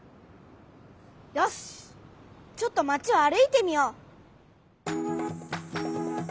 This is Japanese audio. よしちょっとまちを歩いてみよう。